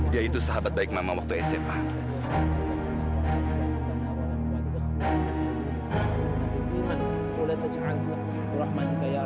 dia itu sahabat baik mama waktu sma